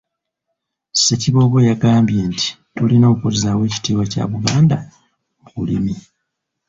Ssekiboobo yagambye nti tulina okuzzaawo ekitiibwa kya Buganda mu bulimi.